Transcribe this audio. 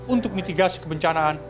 untuk mitigasi kebencanaan